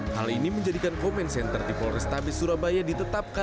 hal ini menjadikan comment center di polrestabes surabaya ditetapkan